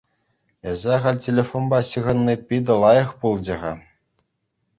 Эсӗ халь телефонпа ҫыхӑнни питӗ лайӑх пулчӗ-ха.